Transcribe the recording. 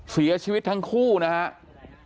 เสียชีวิตทั้งคู่นะครับ